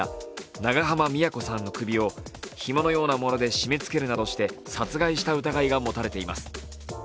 長濱美也子さんの首をひものようなもので絞めつ付けるなどして殺害した疑いが持たれています。